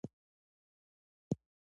اوالد